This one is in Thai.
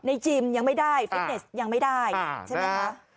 จิมยังไม่ได้ฟิตเนสยังไม่ได้ใช่ไหมคะ